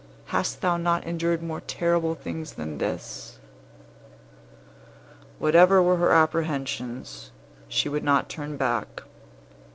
Hast thou not endured more terrible things than this?" Whatever were her apprehensions, she would not turn back.